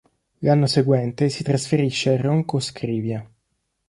L'anno seguente si trasferisce a Ronco Scrivia.